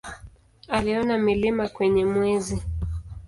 Aliona milima kwenye Mwezi.